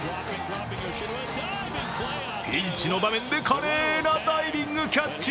ピンチの場面で華麗なダイビングキャッチ。